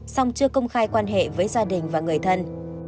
song chưa công khai quan hệ với gia đình và người thân